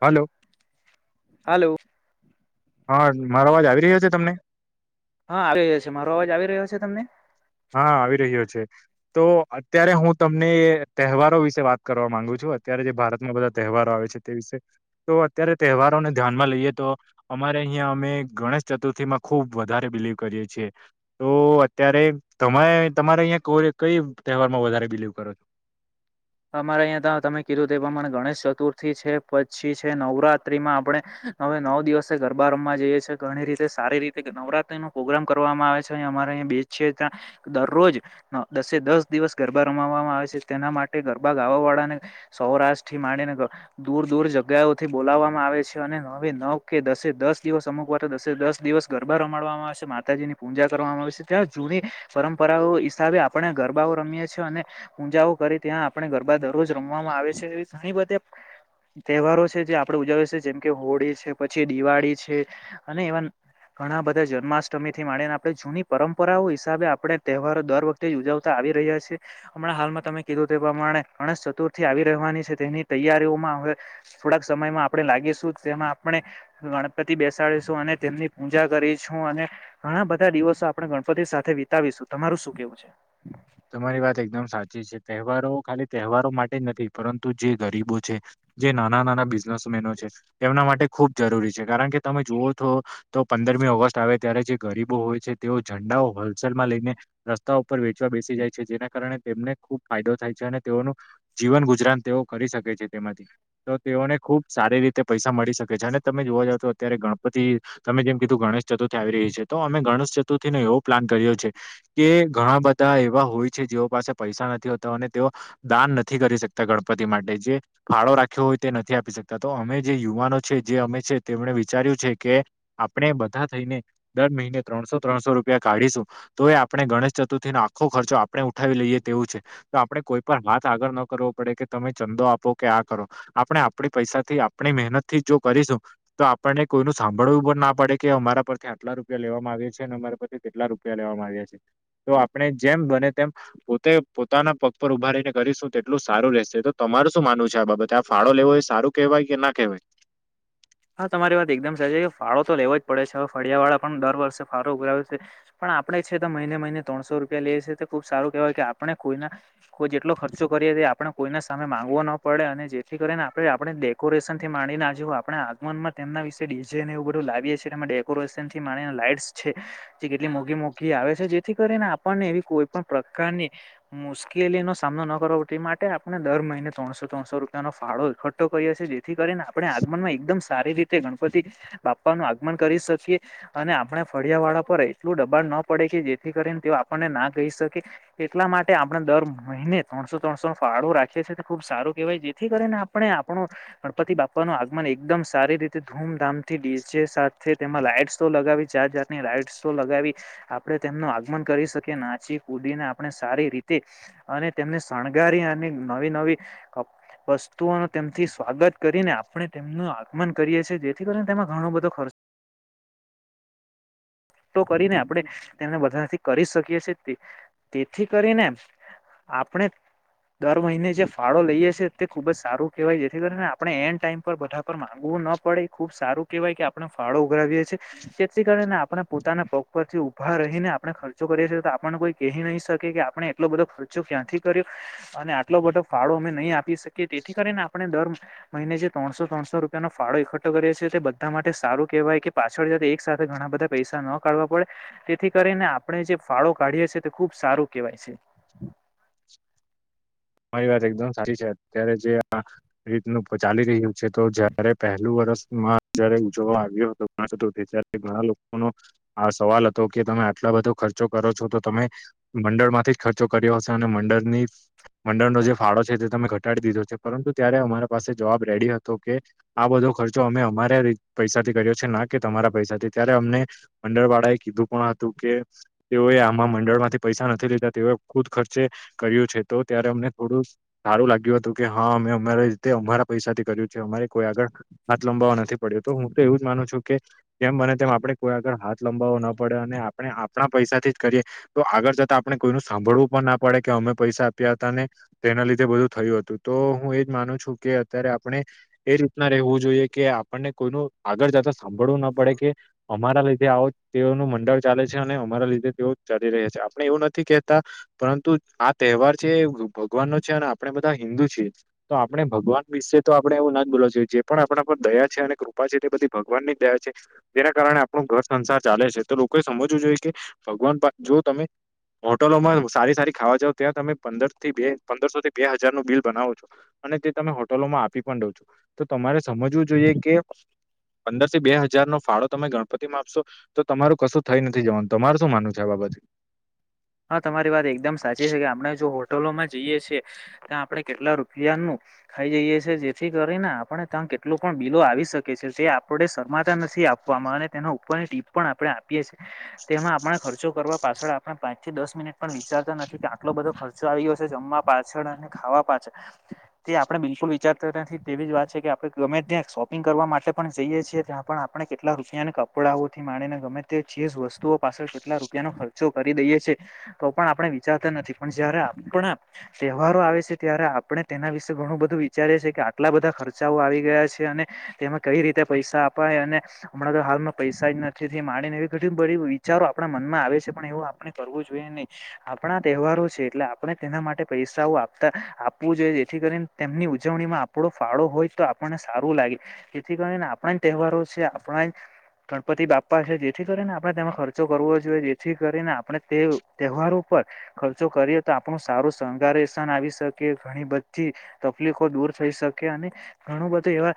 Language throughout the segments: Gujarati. હાલો હાલો હા મારો અવાજ આવી રહ્યો છે તમને હા આવી રહ્યા છે મારો અવાજ આવી રહ્યો છે તમને હા આવી રહ્યો છે તો અત્યારે હું તમને તહેવારો વિશે વાત કરવા માંગુ છું અત્યારે જે ભારતમાં બધા તહેવારો આવે છે તે વિશે તો અત્યારે તહેવારોને ધ્યાનમાં લઈએ તો અ અ અહિયાં અમે ગણેશ ચતુર્થી માં ખુબ વધારે બિલીવ કરીએ છીએ તો અત્યારે તમે તમારે અહીં કો કઈ તહેવારમાં વધારે બિલીવ કરો છો અમારે અહીં ત તમે કીધું તે પ્રમાણે ગણેશ ચતુર્થી છે પછી છે નવરાત્રીમાં આપણે હવે નવ દિવસે ગરબા રમવા જઈએ છીએ ઘણી રીતે સારી રીતે નવરાત્રી નો પ્રોગ્રામ કરવામાં આવે છે અમા બે દરરોજ દસે દસ દિવસ ગરબા રમાવામાં આવે છે તેના માટે ગરબા ગા વાળાને સૌરાષ્ટ થી માંડીને દૂર દૂર જગ્યાઓથી બોલાવવામાં આવે છે અને નવે નવ કે દસે દસ દિવસ અમુક વાર દસે દસ દિવસ ગરબા રમાડવામાં આવશે માતાજીની પૂજા કરવામાં ત જૂની પરંપરાઓ હિસાબે આપણે ગરબાઓ રમીએ છીએ અને પૂજાઓ કરી ત્યાં આપણે ગરબા દરરોજ રમવામાં આવે છે એવી ઘણી બધી તહેવારો છે જે આપડે ઉજાવ છે જેમ કે હોળી છે પછી દિવાળી છે અને એવા ઘણા બધા જન્માષ્ટમી થી માંડીને આપણે જૂની પરંપરાઓ હિસાબે આપણે તહેવારો દર વખતે જ ઉજવતા આવી રહ્યા છે હમણાં હાલમાં તમે કીધું તે પ્રમાણે ગણેશ ચતુર્થી આવી રહેવાની છે તેની તૈયારીઓમાં હવે થોડાક સમયમાં આપણે લાગી તેમાં આપણે ગણપતિ બેસાડીશું અને તેમની પૂજા કરીશું અને ઘણા બધા દિવસો આપણે ગણપતિ સાથે વિતાવીશું તમારું શું કેવું છે તવારો ખાલી તહેવારો માટે જ નથી પરંતુ જે ગરીબો છે જે નાના નાના બિઝનેસમેનો છે તેમના માટે ખુબ જરૂરી છે કારણ કે તમે જુઓ છો તો પંદરમી ઓગસ્ટ આવે ત્યારે જે ગરીબો હોય છે તેઓ ઝંડાઓ હોલસેલમાં લઈને, રસ્તાઓ ઉપ વેચ બેસી જાય છે જેના કારણે તેમને ખુબ ફાયદો થાય છે અને તેઓનું, જીવન ગુજરાન તેઓ કરી શકે છે. તો તેઓને ખુબ સારી રીતે પૈસા મળી શકે છે અને તમે જોવા જાવ તો અત્યારે ગણપતિ, તમે જેમ કીધું ગણેશ ચતુર્થી આવી રહી છે તો અમે ગણેશ ચતુર્થી નને એવો પ્લાન કર્યો છે, કે ઘણા બધા એવા હોય છે જેઓ પાસે પૈસા નથી હોતા અને તેઓ, દાન નથી કરી શકતા ગણપતિ માટે જે ફાળો રાખ્યો હોય તે નથી આપી શકતા તો અમે જે યુવાનો છે જે અમે છે તેમણે વિચાર્યું છે કે આપણે બધા થઈને, દર મહિને ત્રણસો ત્રણસો રૂપિયા કાઢીશું, તો એ આપણે ગણેશ ચતુર્થી આખો ખર્ચો આપણે ઉઠાવી લઈએ તેવું છે, તો આપડણે કોઈ પણ વાત આગળ ન કરવો પડે, કે તમે ચંદો આપો કે આપણે આપ પૈસાથી આપણી મહેનત થી જો કરીશું, તો આપને કોઈ ન સાંભળવું પણ ના પડે કે અમારા પરથી આટલા રૂપિયા લેવામાં આવ્યા છે અને અમારા પરથી કેટલા રૂપિયા લેવામાં આવ્યા છે, તો ણે જેમ બને તેમ, પોતે પોતાના પગ પર ઉભા રને કરીશું તેટલું સારું રહેશે, તો તમારું શું છે, આ બાબતે આ ફાળો લેવો હોય સારું કેહેવાય કે ના કહેવાય? હા તમારી વાત એકદમ સાચ છે કે ફાળો તો લેવો જ પડે છે હવે ફળિયા વાળા પણ દર વર્ષે ફાળો ઉઘરા છે. પણ આપણે છે તો મહિને મહિને ત્રણસો રૂપિયા લઈએ છીએ તો ખુબ સારું કહેય કે આપણે કોઈ, કોઈ જેટલો ખર્ચો કરીએ. આપણે કોઈને સામે માંગવો ન પડે અને જેથી કરીને આપણે આપણે ડેકોરેશન થી માંડી ના જ આપણે મના વિડી એવું બધું લાવીએ છીએકોરેશન થી મા લાઈટ છે, જે કેટલી મો મોંઘી આવે છે, જેથી કરીને આપણને એવી કોઈ પણ પ્રકારની મુશ્કેલી નો સામનો ન કરો પડે. માટે આપણે દર મહિને ત્રણસો ત્રણસો રૂપિયા નો ફાળો એકઠો કરીએ છીએ જેથી કરીને આપણે આગમનમાં એકદમ સારી રીતે ગણપતિ, બાપા નું આગમન કરી શકીએ અને આપણે ફળિયા વાળા પર એટલું દબાણ પડે કે જેથી કરીને તે આપણને ના ગઈ શકે, એટલા માટે આપણે દર મહિને ત્રણસો ત્રણસો ફાળો રાખીએ છીએ ખુબ સારું કેહેવાય જેથી કરીને આપણે આપણું, ગણપતિ બાપા નું આગમન એકદમ સારી રીતે ધૂમધામ થી ડીચે સાથે તેમાં લાઈટ્સ તો લગાવી જાત જાાતની લાઈટ્સ તો લગાવી. આપણે તેમનું આગમન કરી શકીએ નાચી કૂદીને આપણે સારી રીતે, અને તેમને શણગારી નવી નવી, વસ્તુઓ ન તેમથી સ્વાગત કરીને આપણે તેમનું મન કરીએ છીએ જેથી કરીને તેમાં ઘણો બધો ખર્ચ તો કરીને આપણે, તેમને બધાથી કરી શકીએ છે તેથી કરીને આપણે દર મહિને જે ફાળો લઈએે છે તે ખુબ જ સારું કેહેવાય જેથી કરી ને આપણે એન્ડ ટાઈમ પર બધા માંગવું ના પડે એ ખુબ સારું કેહેવાય કે આપણે ફાળો ઉઘરાવીએ છીએ, જેથી કરીણેને આપણે પોતાના પગ પરથી ઉભા રહીને આપડણે ખર્ચો કરીએ છીએ. આપણને કોઈ કહી નહી શકે કે આપણે એટલો બધો ખર્ચો ક્યાંથી કર્યો, અને આટલો બધો ફાળો અમે નહી આપી શકીએ. કે તેથી કરીને આપણે દર મહિને જે ત્રણસો ત્રણસો રૂપિયાનોો ફાળો એકઠો કર્યો છ છે તે બધા માટે સારું કહેવાય કે પાછળ એક સાથે ઘણા બધા પૈસા ન કાઢવા પડે, તેથી કરીને આપણે જે ફાળો કાઢીએ તે ખુબ સારું કેહેવાય છે. [inaudible] મારી વાત એકદમ સચી છે અત્યારે જે આ રીતનું ચાલી રહ્યું છે તો જયારે પહેલું વરષ માં જયારે ઉજવવા આવ્યો હતોતુથી ત્યારે ઘણા લોકોનનો આ સવાલ હતો કે તમે આટલા બધો ખર્ચો કરો છો તો તમે, મંડળ માંથી જ ખર્ચો કર્યો હશે અને મંડળની મંડળનો જે ફાળો છે તે તમે ઘટાડી દીધો છે પરંતુ ત્યારે અમારા પાસે જવાબ રેડી હતો, કે આ બધો ખર્ચો અમે અમારા પૈસાથી કર્યો છે ના કે તમારા પૈસાથી ત્યારે અમને, મંડરવાળા એ કીધું પણ કે, તેઓએ આમાં મંડળ માંથી પૈસા નથી લેતા તેઓએ ખુદ ખર્ચે કર્યું છે તો ત્યારે અમને થોડું સારું લાગ્યું હતું કે હા અમે અમારે રીતે અમારા પૈસાથી કર્યું છે અમારે કોઈ આગળ હાથ લંબાવવા નથી પડ્યો તો હું તો એવું જ માનું છું કે, જેમ બને તેમ આપડણે કોઈ આગળ હાથ લંબાવો ન પડે. આપણે આપણા પૈસાથી જ કરીએ, તો આગળ જતાં આપણે કોઈું સાંભળવું પણ ના પડે કે અમે પૈસા હતાને તેના લીધે બધું થયું હતું, તો હું એજ માનું છું કે અત્યારે આપણે, એ રીતના ું જોઈ કે આપણને કોઈ આગળ જતા સાંભળવું ના પડે કે, અમારા લીધે આવો તેનું મંડળ ચાલે છે અને અમારા લીધે તેઓ ચાલી રહ્યા છે આપણે એવું નથી કેહેતા, પરંતુ આ તહેવાર જે ભગવાન નો છે અને આપણે બધા હિન્દુ છીએ, તો આપણે ભગવાન વિશે તો આપડે એવું ના બોલો જોએ જે પણ આપણા પર દયા છે અને કૃપા છે તે બધી ભગવાનની જ દયા છે, જેના કારણે આપણું ઘર સંસાર ચાલે છે તો લોકોએ સમજવું જોઈએ કે ભગવાન જો તમે હોટલોમાં સારી સારી ખાવા જાવ ત્યાં તમે પથી પંદરસોથી બે હજાર નું બિલ બનાવો છો અને તે તમે હોટલોમાં આપી પણ દો છો તો મારે સમજવું જોઈએ કે, પંદર થી બે હજાર નો ફાળો તમે ગણપતિ માં આપશો તો તમારું કશું થઈ નથી, જવાનું તમાર શું માનુંવુ છે, આ બાબત [unintelligible] હા તમારી વાત એકદમ સાચી છે, કે આપણે જો હોટલોમાં જઈએ છીએ ત્યાં આપણે કેટલા રૂપિયાનું ખાઈ જઈએે છે જેથી કરીને આપણે તં કેટલો પણ બિલો આવી શકે છે, જે આપડ શરમાતા નથી આપ અને તેના ઉપરની ટીપ પણ આપણે આપીએ છીએ તેમાં આપણે ખર્ચો કરવા પાછળ આપ પાંચથી દસ મિનિટ પણ વિચારતા નથી, કે આટલો બધો ખર્ચો આવીયોશે જમવા પાછળ અને ખાવા પાછળ તે આપણે બિલકુલ વિચારતા નથી તેવી જ વાત છે, કે આપણે ગમે ત્યાં શોપિંગ કરવા માટે પણ જઈએ છીએ ત્યાં પણ આપણે કેટલા રૂપિયા ના કપડાઓ થી માણીને ગમે તે ચીજ વસ્તુઓ પાછળ કેટલા રૂપિયાનો ખર્ચો કર દઈએ છે તો પણ આપણે વિચારતા નથી પણ જયારે તહેવારો આવે છે, ત્યારે આપણે તેના વિશે ઘણું બધું વિચારે છે કે આટલા બધા ખર્ચાઓ આવી ગયા છે, અને તેમાં કઈ રીતે પૈસા આપવા હમણાં તો હાલમાં પૈસા જ નથી, મામાંને એવી ઘ બધ વિચારો આપણા મનમાં છે પણ એવું કરવું જોઈએ નહિ, આપણા તહેવારો છે એટલે આપણે તેના માટે પૈસાઓ આપતા આપવું જોઈએ. જેથી કરીને તેમની ઉજવણીમાં આપણો ફાળો હોય, તો આપણને સારું લાગે જેથી કરીને આપણા તહેવારો છે, આપણા ગણપતિ બાપા છે, જેથી કરીને આપણે તેમાં ખર્ચો કરવો જોઈએ જેથી કરીને આપણે તહેવારો ઉપર ખર્ચો કરીએ, તો આપણું સારું શણગારસાન આવી શકી ઘણી બધી થી તકલીફો દૂર થઈ શકે અને ઘણું બધું એવા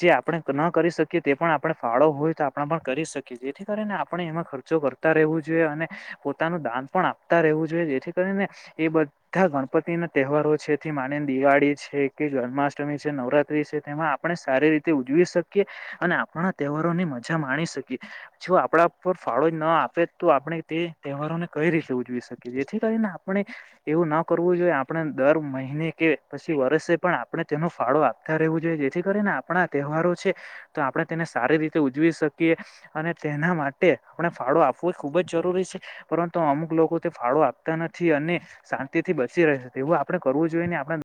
જે આપણે ન કરી શકીએ. પણ આપણે ફાળો હોય તો આપણે પણ કરી શકીએ જેથી કરીને આપણે, એમાં ખર્ચો કરતા રહેવું જોઈએ, અને પોતાનું દાન પણ આપતા રહેવું જોઈએ, જેથી કરીને એ બધા ગણપતિના તહેવારો છેથી માની દિવાળી છે કે, જન્માષ્ટમી છે, નવરાત્રી છે તેમાં આપણે સારી રીતે ઉજવી શકીએ અને આપણા તહેવારોની મજા માણી શકીએ, જો આપણા પર ફાળો ના આપે તો આપણે તે તહેવારોને કઈ રીતે ઉજવી શકીએ, જેથી કરીને આપણે એવું ના કરવું જોઈએ આપણે દર મહિને કે પછી વર્સેે પણ આપણે તેનો ફાળો આપતા રહેવું જોઈએ. જેથી કરીને આપણા તહેવારો છે, તો આપણે તેને સારી રીતે ઉજવી શકીએ અને તેના માટે આપ ફાળો આપવો એ ખુબ જરૂરી છે. પરંતુ અમુક લોકો તે ફાળો આપતા નથી, અને શાંતિથી બચી રહે એવું આપડે કરવું જોઈએ નહિ. [inaudible]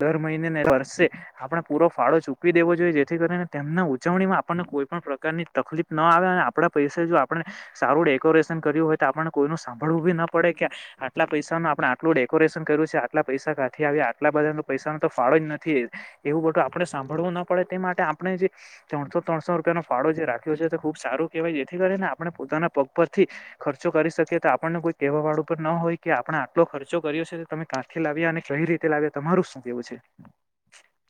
દર મહિનેને વર્ષે આપણે પૂરો ફાળો ચૂકવી દેવો જોઈએ, જેથી કરીને તેમના ઉજવણીમાં આપણને કોઈ પણ પ્રકારની તકલીફ ન આવે અને આપડા પૈસે જો આપણે સારું ડેકોરેશન કર્યું હોય, તો આપને કોઈ સાંભળવું ભી ન પડે કે આટલા પૈસાનું આપણે આટું ડેકોરેશન કર્યું છે, આટલા પૈસા કાંથી આવા આટલા બધા પૈસાનો તો ફાળો જ નથી, એવું બધું આપણે સાંભળવું ન પડે તે માટે આપણે જે ત્રણસો ત્રણસો રૂપ ફાળો જે રાખ્યો છે તે ખુબ સારું કેહવાય, જેથી કરીને આપણે પોતાના પગ પરથી ખર્ચો કરી શકીએ તો આપણે આપણને કોઈક કેવા વાળુ પણ ન હોય, કે આપણે આટલો ખર્ચો કર્યો છે તો તમે કાંથી લાવ્યા અને કઈ રીતે લાવ્યા તમારું શું? કેવું છે?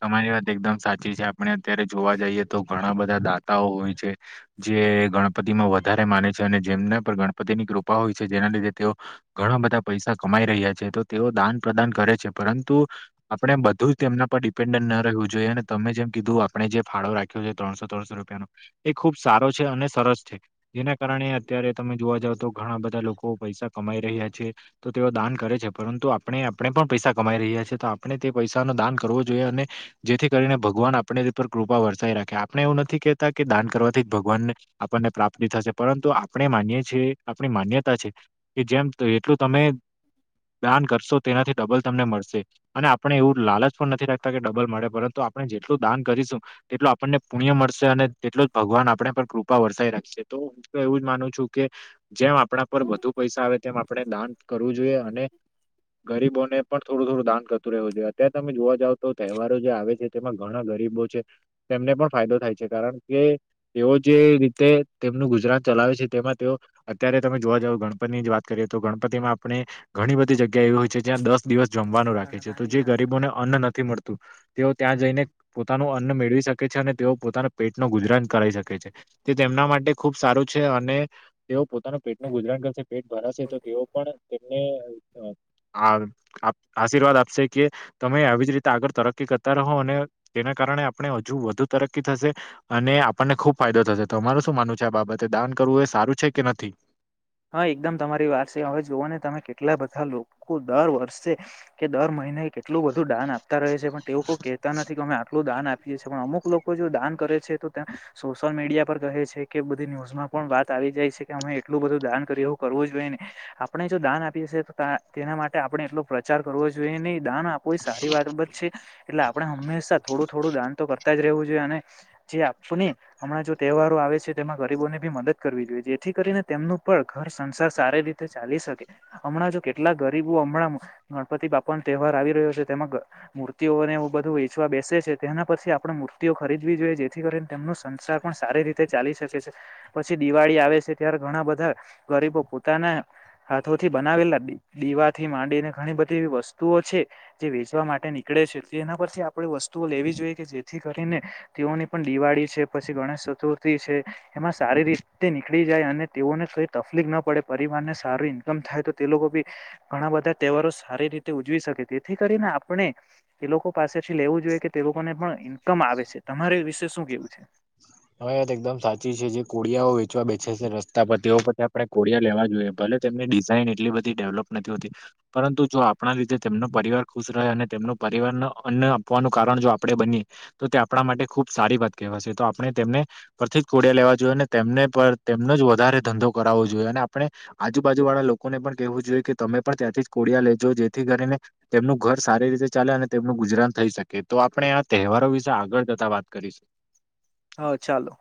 તમારી વાત એકદમ સાચી છે, આપણે અત્યારે જોવા જઈએ તો ઘણા બધા દાતાઓ હોય છે જે ગણપતિમાં વધારે માને છે, અને જેમને પર ગણપતિની કૃપા હોય જેના લીધે તેઓ ઘણા બધા પૈસા કમાઈ રહ્યા છે, તો તેઓ દાન પ્રદાન કરે છે પરંતુ આપણે બધું જ તેમના પર ડિપેન્ડ ના રેવુ જોઈએ અને તમે જેમ કીધું આપણે જે ફાળો રાખ્યો છે, ત્રણસો ત્રણસો રૂપિયાનો એ ખુબ સારો છે. છે અને સરસ છે, જેના કારણે અત્યારે તમે જોવા જાવ તો ઘણા બધા લોકો પૈસા કમાઈ રહ્યા છે. તો તેઓ દાન કરે છે પરંતુ આપણે આપણે પણ પૈસા કમાઈ રહ્યા છેએ તો આપણે તે પૈસા ન દાન કરવોએ,, જોઇએ અને જેથી કરીને ભગવાન આપણે પર કૃપા વર્સાઈ રાખે આપણે એવું નથી, કેહેતા કે દાન કરવાથી ભગવા ન આપણને પ્રાપ્તિ થશે, પરંતુ આપણે માની છીએ આપણી માન્યતા છે કે જેમ તમે દાન કરશો તેનાથી ડબલ તમને મળશે, અને આપણે એવું લાલચ પણ નથી રાખ ડબલ મળે પરંતુ આપણે જેટલું દાન કરીશું, તેટલું આપણને પુણ્ય મળશે અને તેટલુજ ભગવાન આપણે કૃપા વરસાઈ રાખશે તો હ એવું જ માનું છું કે જેમ આપણા પર વધુ પૈસા આવે તેમ આપણે દાન કરવું જોઈએ, અને ગરીબોને પણ થોડું થોડું દાન કરતું રહવું છે. અત્યારે તમે જોવા જાવ તો તહેવારો જે આવે છે તેમાં ઘણા ગરીબો છે તેમને પણ ફાયદો થાય છે કારણ કે તેઓ જે રીતે તેમનું ગુજરાત ચલાવે છે તેમાં તેઓ અત્યારે તમે જોવા જાવ ગણપતીની જ વાત કરીએ તો ગણ પતિ માં આપણે ઘણી બધી જગ્યા એવી હોય છે જ્યાં દસ દિવસ જમવાનું રાખે છે તો જે ગરીબોને અન્ન નથી મળતું તેઓ ત્યાં જઈને પોતાનું અન્ન મેળવી શકે છે અને તેઓ પોતાના પેટનુ ગુજરાન કરાઈ શકે છે, તે તેમના માટે ખુબ સારું છે અને તેઓ પો પોતાનું પેટ નું ગુજરાણ કરશે પેટ ભરાશે તો તેઓ પણ તેમને આશીર્વાદ આપશે કે તમે આવીજ રીતે આગળ તરકી કરતા રહો અને તેના કારણે આપણે હજુ વધુ તરકી થશે અને આપણને ખુબ ફાયદો થશે તો તમારૂ શું માનવું છે આ બાબતે દાન કરવું એ સારું છે કે નથી હા એકદમ તમારી વાત છે, હવે જોવા તમે કેટલા બધા લોકો દર વર્ષે કે દર મહિને એટલું બધું દાન આપતા રહે છે પણ તેઓ કોઈ કહેતા નથી કે અમે આટલું દાન આપી અમુક લોકો જો દાન કરે છે તો તેમ સોશિયલ મીડિયા પર કહે છે કે બધી ન્યૂઝમાં પણ વાત આવે જાય છે કે અમે એટલું બધું દાન કરી એવું કરવું જ જોઈએ નહી આપણે જો દાન આપીએએ તો તેના માટે આપણે એટલો પ્રચાર કરવો જોઈએ નહી દાન આપો એ સારી બાબત છે એટલે આપડણે હંમેશા થોડું થોડું દાન તો કરતા જ રહેવું છે જે આપને હમણાં જો તહેવારો આવે છે તેમાં ગરીબોને બી મદદ કરવી જોઈએ જેથી કરીને તેમનું પણ ઘર સંસાર સારી રીતે ચાલી શકે હમણાં જો કેટલા ગરીબો હમણાં ગણપતિ બાપા તહેવાર આવી રહ્યો છે તેમાં મૂર્તિઓને બધું વેચવા બેસે છે તેના પછી આપણે મૂર્તિઓ ખરીદવી જોઈએ જેથી કરીને તેમનું સંસાર પણ સારી રીતે ચાલી શકે છે પછી દિવાળી આવે છે ત્યારે ઘણા બધા ગરીબો પોતાને હાથોથી બનાવેલા દીવાથી માંડીને ઘણી બધી એવી વસ્તુઓ છે જે વેચવા માટે નીકળે તેના પરથી આપે વસ્તુઓ લેવી જોઈએ કે જેથી કરીને તેઓની પણ દિવાળી છે પછી ગણેશ તુથી છે એમાં સારી રીતે નીકળી જાય અને તેઓને કઈ તકલીફ ના પડે પરિવારને સારું ઈન્કમ થાય તો તે લોકો બી ઘણા બધા તહેવારો સારી રીતે ઉજવી શકે તેથી કરીને આપણે તે લોકો પાસેથી લેવું જોઈએ કે તે લોકોને પણ કમ આવે છે તમારે વિશે શું કેવું છે હવે વાયાત એકદમ સાચી છે જે કોળિયાઓ વેચવા બેઠે છે રસ્તા પર તેઓ આપણે કોોળિયા લેવા જોઈએ ભલે તેમની ડિઝઇન એટલી બધી ડેવલપ નથી હોતી પરંતુ જો આપણા લીતે પરવાર ખુશ રહે અને તેમનું પરિવાર અન્ન આપવાનું કારણ જો આપણે બનીએ તો તે આપણા માટે ખુબ સારી વાત કહેવાયશે તો આપ આપણે તેમને પરથી જ કોડિયા લેવા જોઈએ અને તેમને પર તેમનો જ વધારે ધંધો કરાવવો જોઈએ અને આપણે આજુબાજુ વાળા લોકોને પણ કેહેવું જોઈએ કે તમે પણ ત્યાંથી જ કોળિયા લેજો જેથી કરીને તેમનું ઘર સારી રીતે ચાલે અને તેમનું ગુજરાન થઈ શકે તો આપણે આ તહેવારો વિશે આગળ જતા વાત કરીશું હા ચાલો